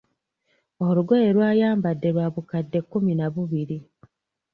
Olugoye lw'ayambadde lwabukadde kkumi na bubiri.